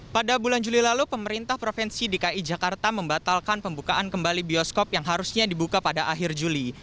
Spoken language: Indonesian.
pada bulan juli lalu pemerintah provinsi dki jakarta membatalkan pembukaan kembali bioskop yang harusnya dibuka pada akhir juli